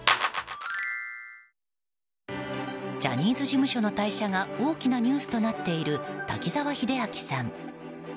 ジャニーズ事務所の退社が大きなニュースとなっている滝沢秀明さん。